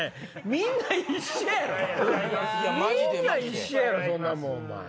みんな一緒やろそんなもん！